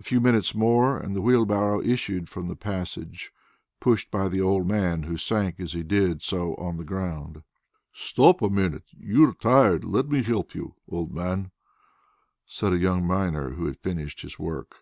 A few minutes more and the wheelbarrow issued from the passage, pushed by the old man, who sank as he did so on the ground. "Stop a minute! You are tired: let me help you, old man," said a young miner who had finished his work.